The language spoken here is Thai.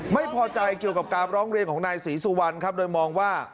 ไม่พอใจเกี่ยวกับการร้องเรียนของนายศรีสุวรรณครับโดยมองว่า